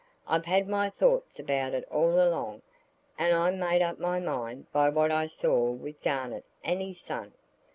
I've had my thoughts about it all along, and I made up my mind by what I saw with Garnett and his son.